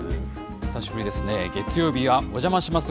久しぶりですね、月曜日はおじゃまします！